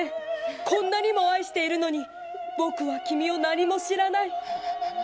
こんなにも愛しているのにぼくは君を何も知らない。